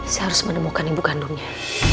saya harus menemukan ibu kandungnya